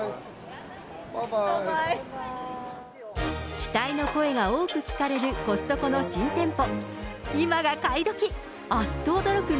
期待の声が多く聞かれるコストコの新店舗。